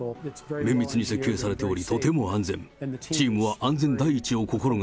綿密に設計されておりとても安全。